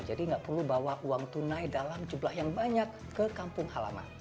jadi nggak perlu bawa uang tunai dalam jumlah yang banyak ke kampung halaman